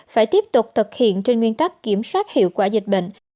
phải tiếp tục thực hiện trên nguyên tắc kiểm soát hiệu quả dịch bệnh